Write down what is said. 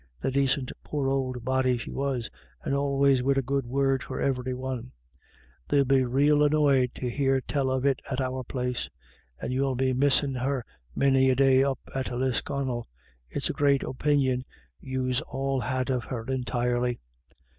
The dacint poor old body she was, and always wid a good word for ivery one. They'll be rael annoyed to hear tell of it at our place. And you'll be missin' her many a day up at Lisconnel ; it's a great opinion yous all had of her entirely."